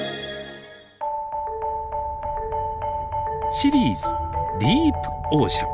「シリーズディープオーシャン」。